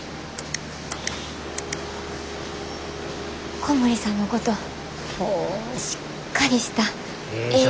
小森さんのことしっかりしたええ